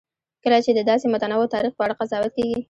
کله چې د داسې متنوع تاریخ په اړه قضاوت کېږي.